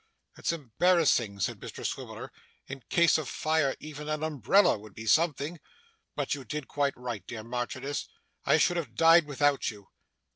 'It's embarrassing,' said Mr Swiveller, 'in case of fire even an umbrella would be something but you did quite right, dear Marchioness. I should have died without you!